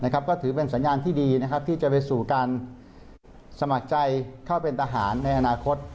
ก็ถือเป็นสัญญาณที่ดีที่จะไปสู่การสมัครใจเข้าเป็นทหารในอนาคต